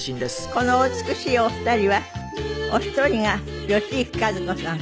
このお美しいお二人はお一人が吉行和子さん